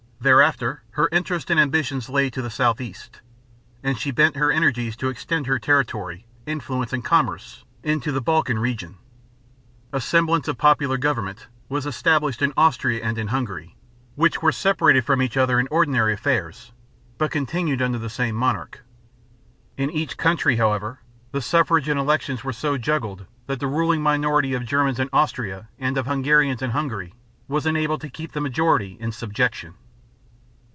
Thereafter her interests and ambitions lay to the southeast; and she bent her energies to extend her territory, influence, and commerce into the Balkan region. A semblance of popular government was established in Austria and in Hungary, which were separated from each other in ordinary affairs, but continued under the same monarch. In each country, however, the suffrage and elections were so juggled that the ruling minority, of Germans in Austria and of Hungarians in Hungary, was enabled to keep the majority in subjection.